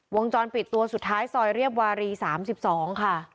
วงจรปิดตัวสุดท้ายซอยเรียบวารี๓๒ค่ะ